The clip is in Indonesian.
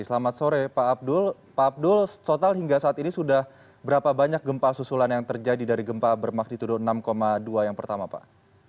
selamat sore pak abdul pak abdul total hingga saat ini sudah berapa banyak gempa susulan yang terjadi dari gempa bermagnitudo enam dua yang pertama pak